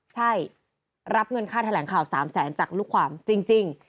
ใช่รับเงินค่าแถลงข่าว๓แสนจากลูกความจริง